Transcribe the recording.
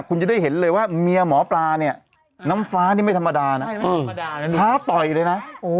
คุณจะได้เห็นเลยว่าเมียหมอปลานี่น้ำฟ้านี่ไม่ธรรมดาน่ะไม่ธรรมดาน่ะ